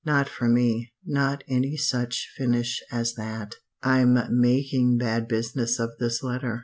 Not for me not any such finish as that. "I'm making bad business of this letter.